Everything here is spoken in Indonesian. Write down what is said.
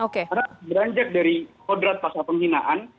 karena beranjak dari kodrat pasal penghinaan